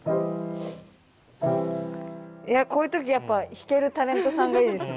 いやこういう時やっぱ弾けるタレントさんがいいですね。